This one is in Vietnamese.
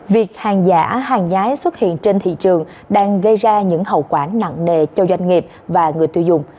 việc hàng giả hàng nhái xuất hiện trên thị trường đang gây ra những hậu quả nặng nề cho doanh nghiệp và người tiêu dùng